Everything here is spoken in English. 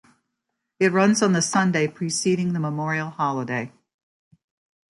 It runs on the Sunday preceding the Memorial Day holiday.